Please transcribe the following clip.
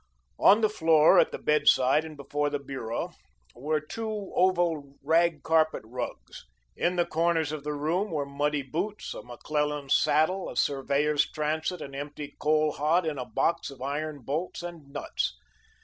On the floor, at the bedside and before the bureau, were two oval rag carpet rugs. In the corners of the room were muddy boots, a McClellan saddle, a surveyor's transit, an empty coal hod and a box of iron bolts and nuts.